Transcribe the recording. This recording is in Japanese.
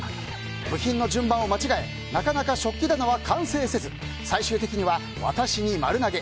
部品の順番を間違えなかなか食器棚は完成せず最終的には私に丸投げ。